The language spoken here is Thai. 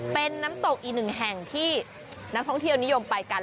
เป็นน้ำตกอีกหนึ่งแห่งที่นักท่องเที่ยวนิยมไปกัน